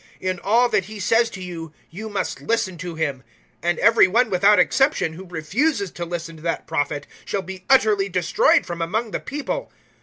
In all that He says to you, you must listen to Him. 003:023 And every one, without exception, who refuses to listen to that Prophet shall be utterly destroyed from among the People.'